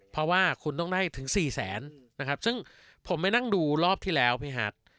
เพราะว่าคุณต้องได้ถึง๔แสนนะครับซึ่งผมไปนั่งดูรอบที่แล้วพี่ฮัท